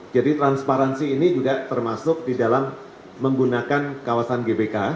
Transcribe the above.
jadi transparansi ini juga termasuk di dalam menggunakan kawasan gbk